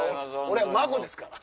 俺は孫ですから。